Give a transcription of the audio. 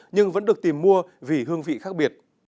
nhưng vẫn được tìm mua vì hương vị khác biệt